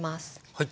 はい。